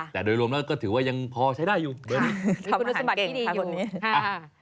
แต่โดยรวมแล้วก็ถือว่ายังพอใช้ได้อยู่เบอร์นี้ทำอาหารเก่งค่ะคนนี้